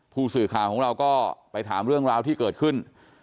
ผู้สื่อข่าวของเราก็ไปถามเรื่องราวที่เกิดขึ้น